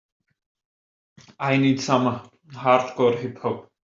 I need some Hardcore Hip Hop